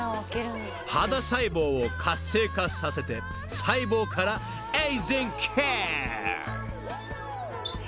［肌細胞を活性化させて細胞からエイジングケア］